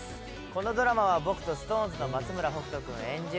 このドラマは僕とＳｉｘＴＯＮＥＳの松村北斗くん演じる